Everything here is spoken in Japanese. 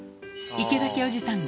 池崎おじさん